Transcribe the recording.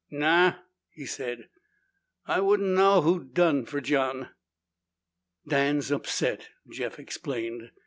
"Nao," he said. "I wouldn't knaow who done fer John." "Dan's upset," Jeff explained.